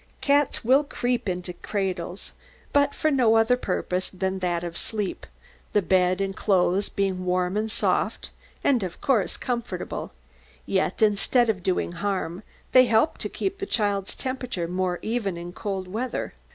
Cats will creep into cradles, but for no other purpose than that of sleep, the bed and clothes being warm and soft, and of course comfortable; yet instead of doing harm, they help to keep the child's temperature more even in cold weather.